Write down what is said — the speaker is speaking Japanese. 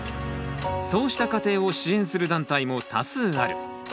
そうした家庭を支援する団体も多数ある。